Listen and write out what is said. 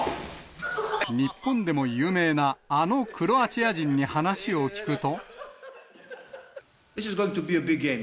日本でも有名なあのクロアチア人に話を聞くと。